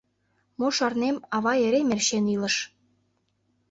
Мо шарнем, авай эре мерчен илыш.